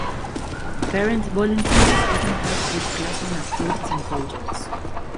Parent volunteers often help with classroom activities and projects.